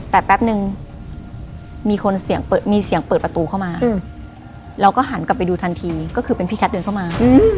แต่แป๊บนึงมีคนเสียงมีเสียงเปิดประตูเข้ามาเราก็หันกลับไปดูทันทีก็คือเป็นพี่แคทเดินเข้ามา